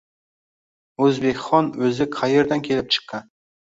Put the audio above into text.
O’zbekxon o’zi qaerdan kelib chiqqan?